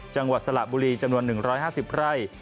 จังหวัดสระบุรีจำนวน๑๕๐ไร่